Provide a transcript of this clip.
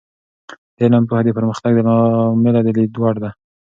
د علم پوهه د پرمختګ د لامله د لید وړ ده.